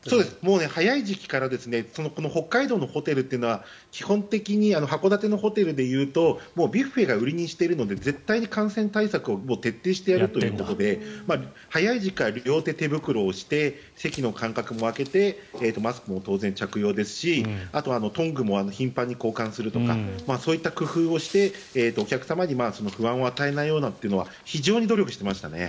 早い時期から北海道のホテルというのは基本的に函館のホテルで言うとビュッフェが売りにしているので感染対策を徹底してやるということで早い時期から両手、手袋をして席の間隔も空けてマスクも当然、着用ですしトングも頻繁に交換するとかそういう工夫をしてお客様に不安を与えないというのは非常に努力していました。